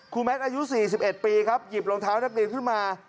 แมทอายุ๔๑ปีครับหยิบรองเท้านักเรียนขึ้นมา